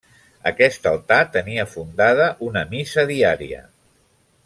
Aquest altar tenia fundada una missa diària.